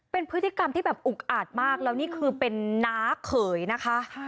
เป็นพฤติกรรมที่แบบอุกอาดมากแล้วนี่คือเป็นน้าเขยนะคะ